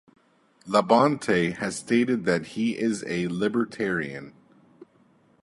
Labonte has stated that he is a libertarian.